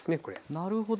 なるほど。